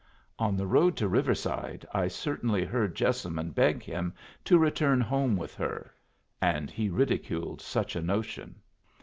On the road to Riverside I certainly heard Jessamine beg him to return home with her; and he ridiculed such a notion.